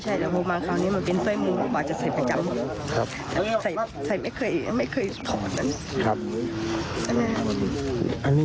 แต่ร่วงหุงสส่วนต่างบ๋าอยากไปไหน